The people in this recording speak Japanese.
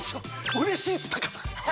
うれしいっす貴さん！